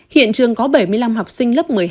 hiện trường có bảy mươi năm học sinh lớp một mươi hai